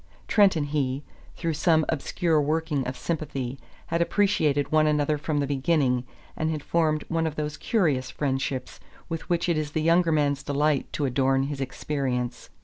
Trent and he, through some obscure working of sympathy, had appreciated one another from the beginning, and had formed one of those curious friendships with which it was the younger man's delight to adorn his experience.